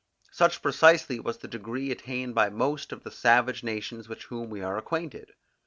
Such precisely was the degree attained by most of the savage nations with whom we are acquainted.